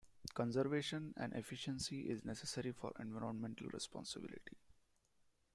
Conservation and efficiency is necessary for environmental responsibility.